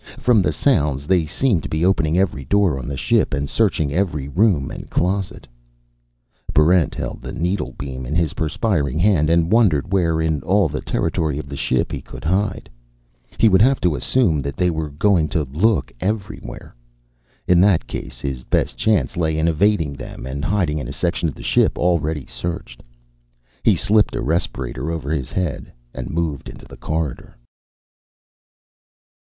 From the sounds, they seemed to be opening every door on the ship and searching every room and closet. Barrent held the needlebeam in his perspiring hand and wondered where, in all the territory of the ship, he could hide. He would have to assume that they were going to look everywhere. In that case, his best chance lay in evading them and hiding in a section of the ship already searched. He slipped a respirator over his head and moved into the corridor.